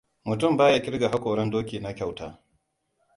Mutum baya kirga hakoran doki na kyauta.